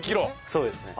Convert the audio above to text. そうですね。